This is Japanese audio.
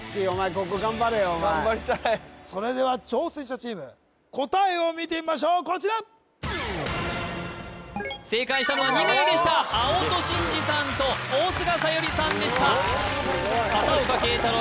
ここ頑張れよお前頑張りたいそれでは挑戦者チーム答えを見てみましょうこちら正解したのは２名でした青戸慎司さんと大菅小百合さんでした片岡桂太郎